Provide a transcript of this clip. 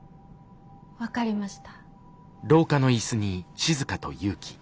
分かりました。